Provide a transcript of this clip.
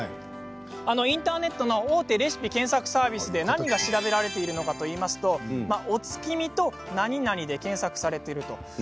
インターネットの大手レシピ検索サービスで何が調べられているのかといいますとお月見となになにで検索されていると。